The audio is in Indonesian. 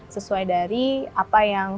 sesuai dari apa yang